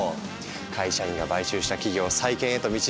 会社員が買収した企業を再建へと導くこの漫画！